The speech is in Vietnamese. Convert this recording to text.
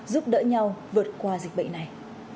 giúp đỡ nhau vượt qua dịch bệnh này